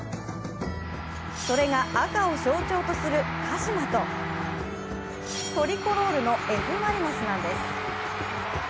それが赤を象徴とする鹿島とトリコロールのＦ・マリノスなんです。